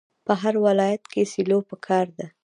په هر ولایت کې سیلو پکار ده.